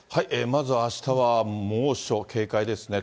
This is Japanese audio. まずあしたは、猛暑警戒ですね。